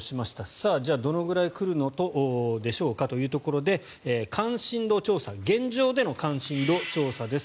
さあ、どのぐらい来るのでしょうかというところで現状での関心度調査です。